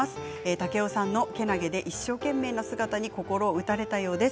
竹雄さんのけなげで一生懸命な姿に心打たれたようです。